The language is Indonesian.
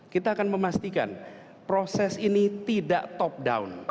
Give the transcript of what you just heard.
kita akan memastikan proses ini tidak top down